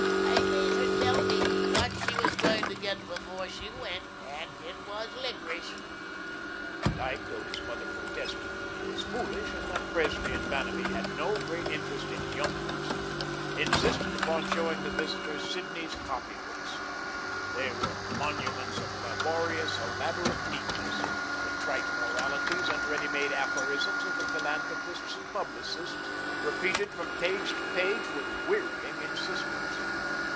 "I made her tell me what she was going to get before she went, and it was licorice." Dyke, though his mother protested that he was foolish and that Presley and Vanamee had no great interest in "young ones," insisted upon showing the visitors Sidney's copy books. They were monuments of laborious, elaborate neatness, the trite moralities and ready made aphorisms of the philanthropists and publicists, repeated from page to page with wearying insistence.